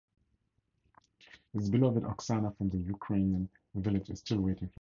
His beloved Oksana from the Ukrainian village is still waiting for him.